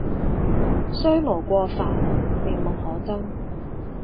雖無過犯，面目可憎